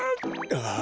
ああ。